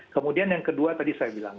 kemudian yang kedua tadi saya bilang